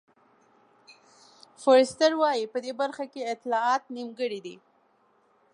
فورسټر وایي په دې برخه کې اطلاعات نیمګړي دي.